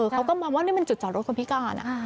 เขาก็มองว่านี่มันจุดจอดรถคนพิการ